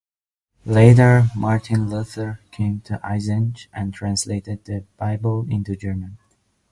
Later, Martin Luther came to Eisenach and translated the Bible into German.